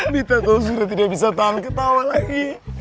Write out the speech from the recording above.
kita tuh sudah tidak bisa tahan ketawa lagi